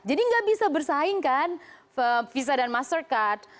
jadi nggak bisa bersaing kan visa dan mastercard